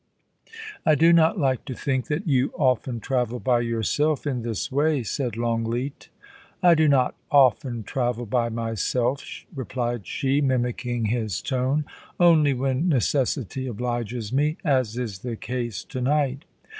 * I do not like to think that you often travel by yourself in this way,' said Longleat. * I do not often travel by myself/ replied she, mimicking his tone, * only when necessity obliges me, as is the case to night.